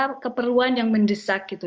ada keperluan yang mendesak gitu